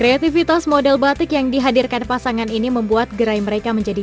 kreativitas model batik yang dihadirkan pasangan ini membuat gerai mereka menjadi